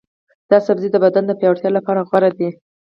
دا سبزی د بدن د پیاوړتیا لپاره غوره دی.